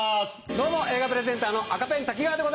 どうも映画プレゼンターの赤ペン瀧川です。